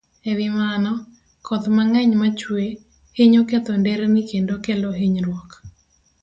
E wi mano, koth mang'eny ma chue, hinyo ketho nderni kendo kelo hinyruok.